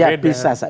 ya bisa saja